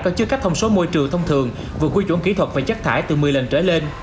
có chứa các thông số môi trường thông thường vượt quy chuẩn kỹ thuật về chất thải từ một mươi lần trở lên